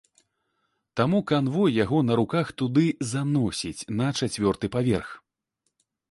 Таму канвой яго на руках туды заносіць, на чацвёрты паверх.